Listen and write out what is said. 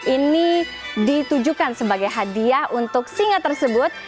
ini ditujukan sebagai hadiah untuk singa tersebut